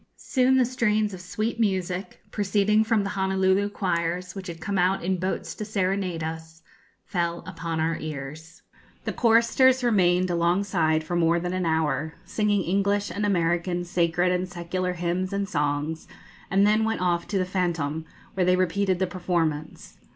Soon the strains of sweet music, proceeding from the Honolulu choirs, which had come out in boats to serenade us, fell upon our ears The choristers remained alongside for more than an hour, singing English and American sacred and secular hymns and songs, and then went off to the 'Fantôme,' where they repeated the performance.